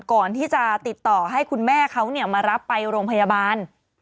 ก่อนที่จะติดต่อให้คุณแม่เขามารับไปโรงพยาบาล